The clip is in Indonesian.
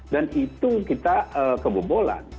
dan itu kita kebobolan